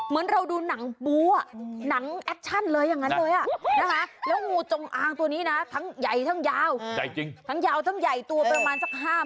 ๕เมตรท้ายที่สุดแล้วก็จับได้น่ะค่ะ